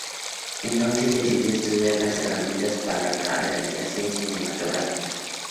Entonces decidió estudiar las herramientas para la realización cinematográfica.